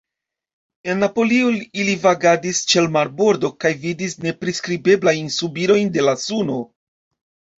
En Napolio ili vagadis ĉe l' marbordo kaj vidis nepriskribeblajn subirojn de la suno.